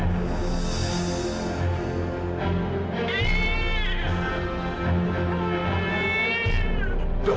kamila tutup dong